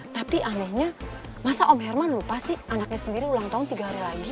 tapi anehnya masa om herman lupa sih anaknya sendiri ulang tahun tiga hari lagi